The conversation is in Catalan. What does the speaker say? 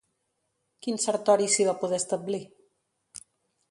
Quint Sertori s'hi va poder establir?